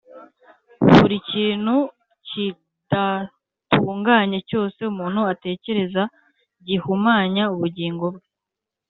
buri kintu kidatunganye cyose umuntu atekereza gihumanya ubugingo bwe,